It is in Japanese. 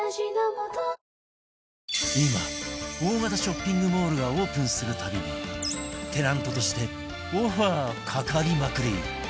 今大型ショッピングモールがオープンするたびにテナントとしてオファーかかりまくり